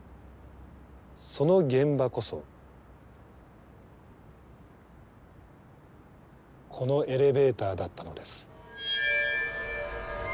その現場こそこのエレベーターだったのです。